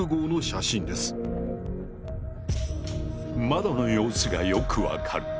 窓の様子がよく分かる。